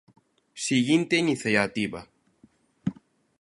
Seguinte iniciativa.